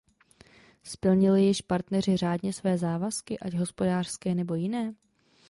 Splnili již partneři řádně své závazky, ať hospodářské nebo jiné?